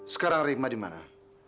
sekarang rima dimana